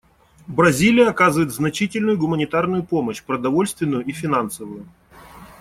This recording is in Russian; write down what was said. Бразилия оказывает значительную гуманитарную помощь — продовольственную и финансовую.